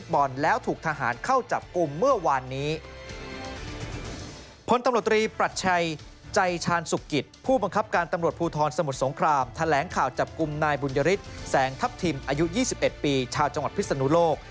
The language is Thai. พลตำรวจตรีปรัชชัยใจชาญสุขิตผู้บังคับการตำรวจภูทรสมุทรสงครามแถลงข่าวจับกลุ่มนายบุญยฤทธิ์แสงทัพทิมอายุ๒๑ปีชาวจังหวัดพิศนุโลก